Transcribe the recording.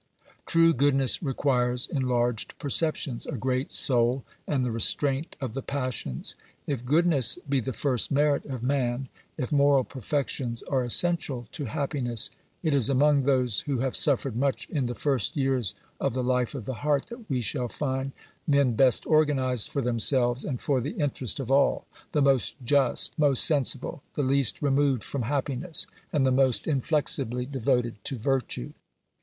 True goodness requires enlarged perceptions, a great soul and the restraint of the passions. If goodness be the first merit of man, if moral perfections are essential to happiness, it is among those who have suffered much in OBERMANN 109 the first years of the Hfe of the heart that we shall find men best organised for themselves and for the interest of all, the most just, most sensible, the least removed from happiness and the most inflexibly devoted to virtue.